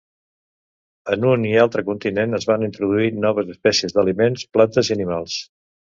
En un i l'altre continent es van introduir noves espècies d'aliments, plantes i animals.